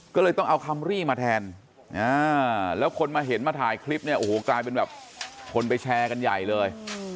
ก็เลยต้องเอาคัมรี่มาแทนแล้วคนมาเห็นมาถ่ายคลิปเนี่ยโอ้โหกลายเป็นแบบคนไปแชร์กันใหญ่เลย